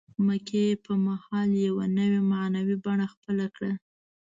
مکې په مهال یوه نوې معنوي بڼه خپله کړه.